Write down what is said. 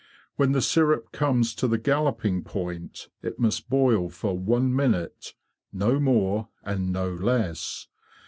When the syrup comes to the galloping point it must boil for one minute, no more and no less.